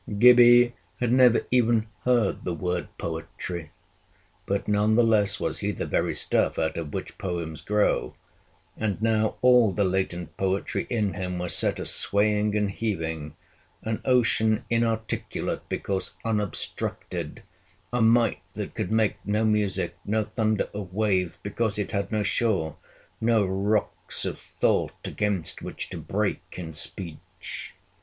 Gibbie had never even heard the word poetry, but none the less was he the very stuff out of which poems grow, and now all the latent poetry in him was set a swaying and heaving an ocean inarticulate because unobstructed a might that could make no music, no thunder of waves, because it had no shore, no rocks of thought against which to break in speech.